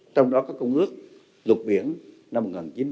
trong đó có công ước luật biển năm một nghìn chín trăm tám mươi hai